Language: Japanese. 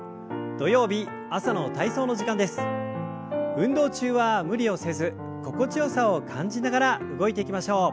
運動中は無理をせず心地よさを感じながら動いていきましょう。